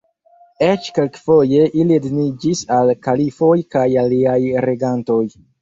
Eĉ kelkfoje ili edziniĝis al kalifoj kaj aliaj regantoj.